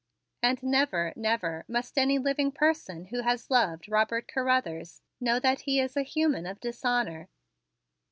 And never, never, must any living person who has loved Robert Carruthers know that he is a human of dishonor.